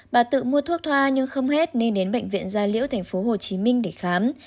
bà tự mua thuốc thoa nhưng không hết nên đến bệnh viện gia liễu tp hcm để khám